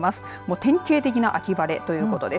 典型的な秋晴れということです。